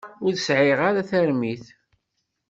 Ur sɛiɣ ara tarmit.